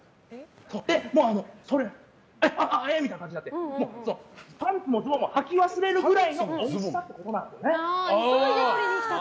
みたいな感じになってパンツもズボンもはき忘れるぐらいのおいしさってことなんですね。